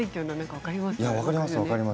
分かります。